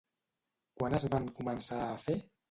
Quan es van començar a fer?